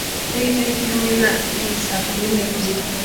Mfite itariki hamwe na we saa kumi n'ebyiri.